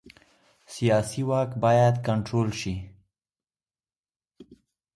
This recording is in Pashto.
سیاسي واک باید کنټرول شي